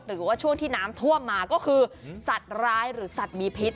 หรือว่าช่วงที่น้ำท่วมมาก็คือสัตว์ร้ายหรือสัตว์มีพิษ